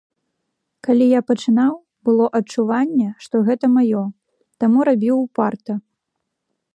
Калі я пачынаў, было адчуванне, што гэта маё, таму рабіў упарта.